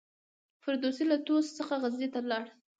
فردوسي له طوس څخه غزني ته ولاړ.